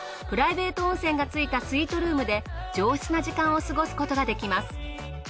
プライベート温泉が付いたスイートルームで上質な時間を過ごすことができます。